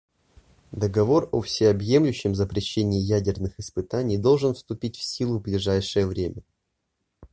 Договор о всеобъемлющем запрещении ядерных испытаний должен вступить в силу в ближайшее время.